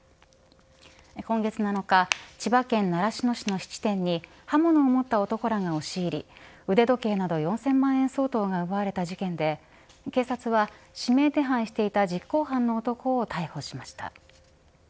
今月７日、千葉県習志野市の質店に刃物を持った男らが押し入り腕時計など４０００万円相当が奪われた事件で警察は指名手配していた実行犯の男を逮捕しました。